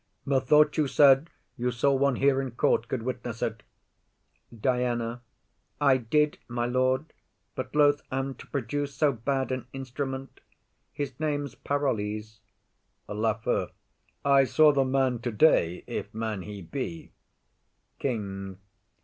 Methought you said You saw one here in court could witness it. DIANA. I did, my lord, but loath am to produce So bad an instrument; his name's Parolles. LAFEW. I saw the man today, if man he be. KING.